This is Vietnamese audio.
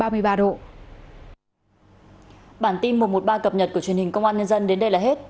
bản tin mùa một ba cập nhật của truyền hình công an nhân dân đến đây là hết